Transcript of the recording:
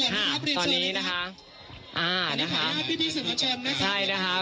ฮะตอนนี้นะฮะ